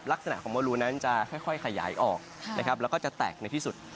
ลักษณะของวอลลูกหนิจะค่อยขยายออกแล้วจะแตกในที่สุด